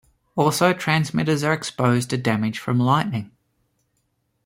Also, transmitters are exposed to damage from lightning.